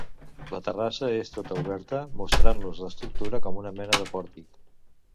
La terrassa és tota oberta mostrant-nos l'estructura com una mena de pòrtic.